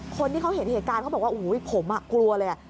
คนที่เขาเห็นเหตุการณ์เขาบอกว่าโอ้โหผมกลัวเลย